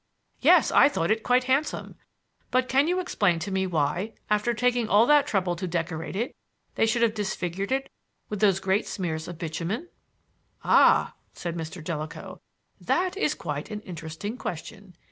"Yes, I thought it quite handsome. But can you explain to me why, after taking all that trouble to decorate it, they should have disfigured it with those great smears of bitumen?" "Ah!" said Mr. Jellicoe, "that is quite an interesting question.